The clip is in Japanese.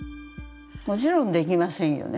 もちろんできませんよね。